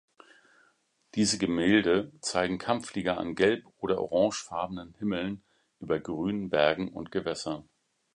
Diese Gemälde zeigen Kampfflieger an gelb- oder orangefarbenen Himmeln über grünen Bergen und Gewässern.